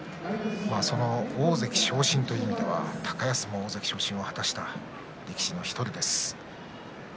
大関昇進という意味では高安も大関昇進を果たした力士の１人です。